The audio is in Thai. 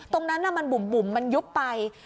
ตรงนั้นมันบุ่มมันยุบไป